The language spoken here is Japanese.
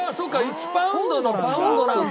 １パウンドのパウンドなんだ。